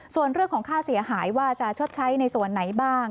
ส่วนเรื่องของค่าเสียหายว่าจะชดใช้ในส่วนไหนบ้าง